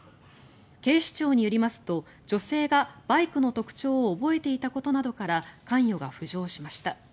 警視庁によりますと女性がバイクの特徴を覚えていたことなどから関与が浮上しました。